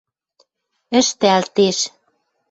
ӹштӓлтеш...